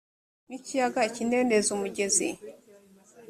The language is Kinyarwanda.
nk ikiyaga ikidendezi umugezi